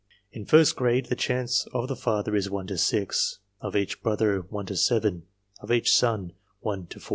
In first grade : the chance of the father is 1 to 6 ; of each brother, 1 to 7 ; of each son, 1 to 4.